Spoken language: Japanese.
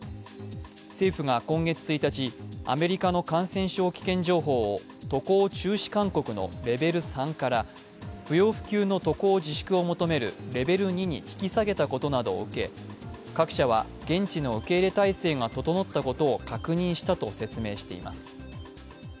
政府が今月１日、アメリカの感染症危険情報を渡航中止勧告のレベル３から不要不急の渡航自粛を求めるレベル２に引き下げたことなどを受け、各社は現地の受け入れ体制が整ったことを確認したと説明しています。